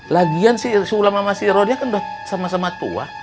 lagian si sulam sama si rodia kan udah sama sama tua